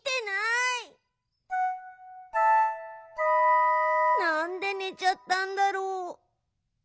なんでねちゃったんだろう？